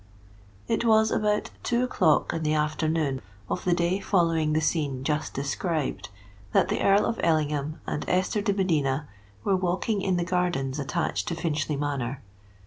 It was about two o'clock in the afternoon of the day following the scene just described, that the Earl of Ellingham and Esther de Medina were walking in the gardens attached to Finchley Manor.